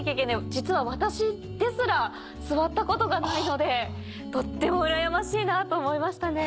実は私ですら座ったことがないのでとってもうらやましいなと思いましたね。